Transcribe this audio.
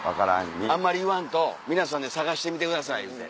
あんまり言わんと皆さんで探してみてくださいいうて。